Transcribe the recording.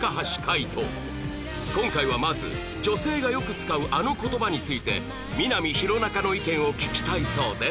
今回はまず女性がよく使うあの言葉についてみな実弘中の意見を聞きたいそうで